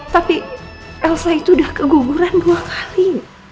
tapi elsa itu udah keguguran dua kali